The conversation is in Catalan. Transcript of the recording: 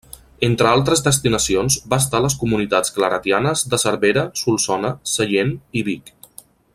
Entre altres destinacions va estar a les comunitats claretianes de Cervera, Solsona, Sallent i Vic.